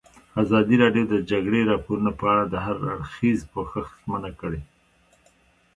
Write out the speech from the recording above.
ازادي راډیو د د جګړې راپورونه په اړه د هر اړخیز پوښښ ژمنه کړې.